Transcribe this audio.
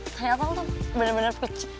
ternyata lo tuh bener bener